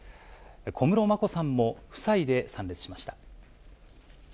小室眞子さんも夫妻で参列しました。